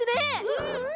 うんうん！